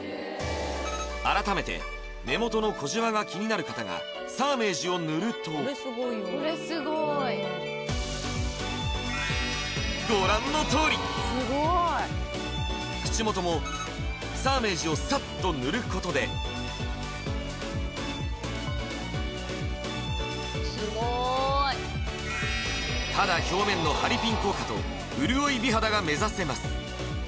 改めて目元の小じわが気になる方がサーメージを塗るとご覧のとおり口元もサーメージをサッと塗ることで肌表面のハリピン効果と潤い美肌が目指せます